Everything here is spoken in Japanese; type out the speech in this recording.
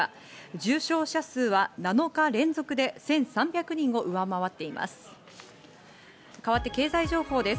重症者数は７日連続で１３００人を上回っています。